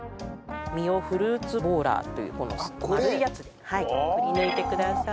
身をフルーツボーラーというこの丸いやつでくりぬいてください。